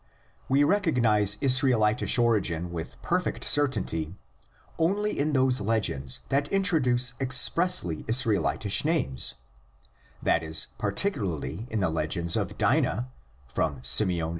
We recognise Israelitish origin with perfect cer tainty only in those legends that introduce expressly Israelitish names, that is particularly in the legends THE LEGENDS IN ORAL TRADITION.